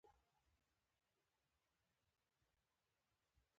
خو مجموعي لحاظ سره ئې